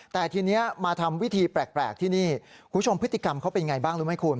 แต่ทีนี้มาทำวิธีแปลกที่นี่คุณผู้ชมพฤติกรรมเขาเป็นไงบ้างรู้ไหมคุณ